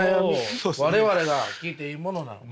我々が聞いていいものなのか。